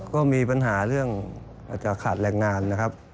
ก็มีปัญหาเรื่องอาจจะขาดแรงงานนะครับ